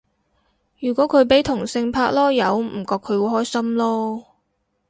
如果佢俾同性拍籮柚唔覺佢會開心囉